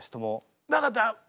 なかった。